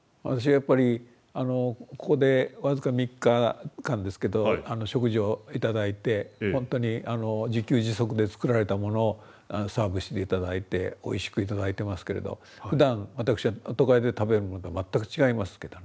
やっぱりここで僅か３日間ですけど食事を頂いてほんとに自給自足で作られたものをサーブして頂いておいしく頂いてますけれどふだん私が都会で食べるものとは全く違いますけどね。